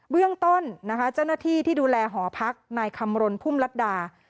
เรื่องต้นนะคะเจ้าหน้าที่ที่ดูแลหอพักนายคำรณพุ่มรัฐดา